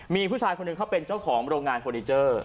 มีผู้ชายคนหนึ่งเขาเป็นเจ้าของโรงงานเฟอร์นิเจอร์